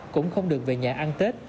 cũng không được về nhà ăn tết